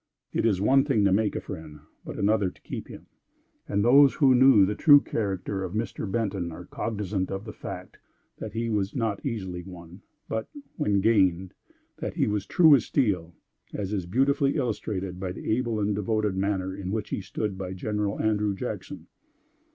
It is one thing to make a friend, but another to keep him; and those who knew the true character of Mr. Benton are cognizant of the fact, that he was not easily won; but, when gained, that he was true as steel, as is beautifully illustrated by the able and devoted manner in which he stood by General Andrew Jackson.